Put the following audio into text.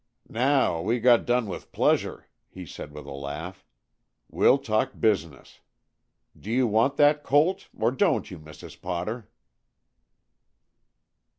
"Now we got done with pleasure," he said with a laugh, "we'll talk business. Do you want that colt, or don't you, Mrs. Potter?"